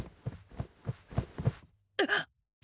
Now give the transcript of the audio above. あっ！